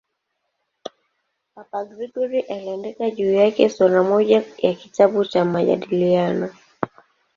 Papa Gregori I aliandika juu yake sura moja ya kitabu cha "Majadiliano".